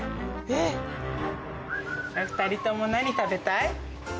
２人ともなに食べたい？